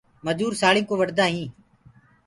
مجوُر سآݪینٚ ڪوُ وڍدآ هينٚ